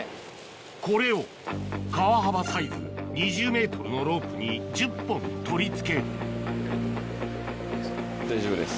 これを川幅サイズ２０ｍのロープに１０本取り付ける大丈夫です。